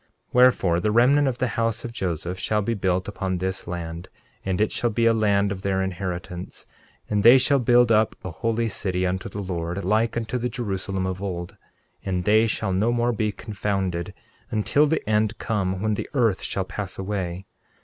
13:8 Wherefore, the remnant of the house of Joseph shall be built upon this land; and it shall be a land of their inheritance; and they shall build up a holy city unto the Lord, like unto the Jerusalem of old; and they shall no more be confounded, until the end come when the earth shall pass away.